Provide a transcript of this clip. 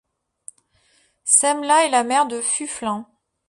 Semla est la mère de Fufluns.